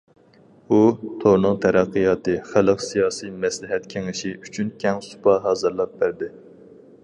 ئۇ: تورنىڭ تەرەققىياتى خەلق سىياسىي مەسلىھەت كېڭىشى ئۈچۈن كەڭ سۇپا ھازىرلاپ بەردى.